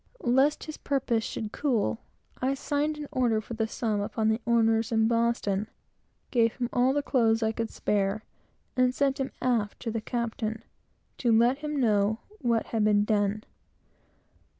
Lest his purpose should cool, I signed an order for the sum upon the owners in Boston, gave him all the clothes I could spare, and sent him aft to the captain, to let him know what had been done.